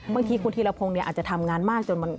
บางทีคุณธีรพงศ์เนี่ยอาจจะทำงานมากจนมัน